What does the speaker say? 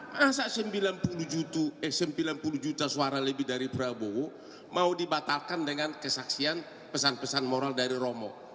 masa sembilan puluh juta suara lebih dari prabowo mau dibatalkan dengan kesaksian pesan pesan moral dari romo